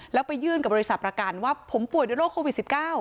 แล้วไปยื่นกับบริษัทประกันว่าผมป่วยด้วยโรคโควิด๑๙